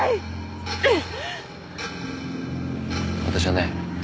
私はね